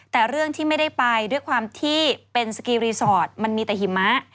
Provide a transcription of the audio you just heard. แต่เรื่องที่ไม่ได้ไปด้วยความที่เป็นสกีรีสอร์ทมันมีแต่หิมะ